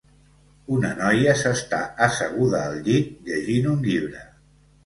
Una noia s'està asseguda al llit llegint un llibre.